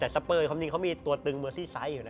แต่สเปอร์ความจริงเขามีตัวตึงเมอร์ซี่ไซส์อยู่นะ